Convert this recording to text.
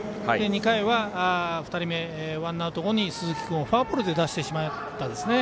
２回は２人目、ワンアウト後に鈴木君をフォアボールで出してしまったんですね。